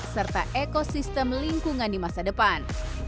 serta ekosistem lingkungan di masa depan